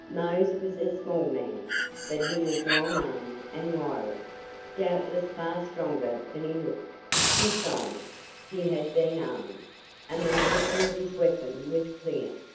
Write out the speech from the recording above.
Mose was a small man, but he was long armed and wirey, doubtless far stronger than he looked; besides, he had been armed, and the nature of his weapon was clear.